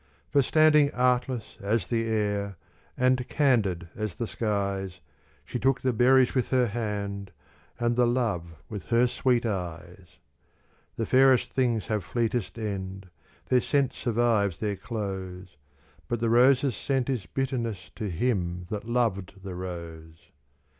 For standing artless as the air, And candid as the skies, She took the berries with her hand, And the love with her sweet eyes. The fairest things have fleetest end, Their scent survives their close: But the rose's scent is bitterness To him that loved the rose.